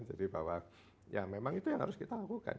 bahwa ya memang itu yang harus kita lakukan